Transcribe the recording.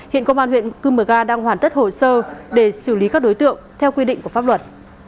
hiện công an huyện cư mờ ga đang hoàn tất hồ sơ để xử lý các đối tượng theo quy định của pháp luật